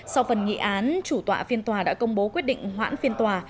sau phần nghị án chủ tọa phiên tòa đã công bố quyết định hoãn phiên tòa